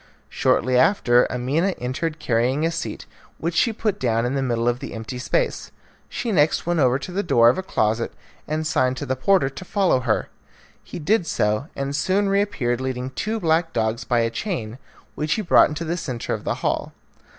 Shortly after Amina entered carrying a seat, which she put down in the middle of the empty space. She next went over to the door of a closet and signed to the porter to follow her. He did so, and soon reappeared leading two black dogs by a chain, which he brought into the centre of the hall.